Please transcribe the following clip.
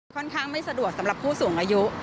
ค่อนข้างไม่สะดวกสำหรับผู้สูงอายุ